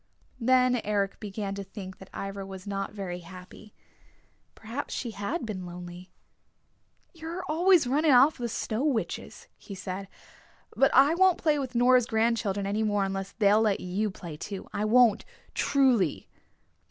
Then Eric began to think that Ivra was not very happy. Perhaps she had been lonely. "You're always running off with the Snow Witches," he said. "But I won't play with Nora's grandchildren any more unless they'll let you play too. I won't, truly!"